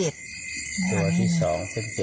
ตัวที่๒เส้น๗